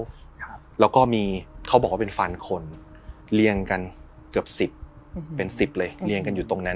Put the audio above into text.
ครับแล้วก็มีเขาบอกว่าเป็นฟันคนเรียงกันเกือบสิบอืมเป็นสิบเลยเรียงกันอยู่ตรงนั้น